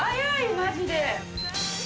マジで。